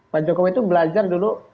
pak jokowi itu belajar dulu